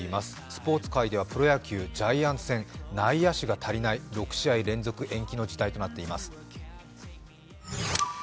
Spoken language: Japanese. スポーツ界ではプロ野球ジャイアンツ戦、内野手が足りない、６試合連続延期の事態となっています。